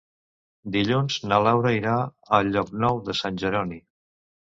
Dilluns na Laura irà a Llocnou de Sant Jeroni.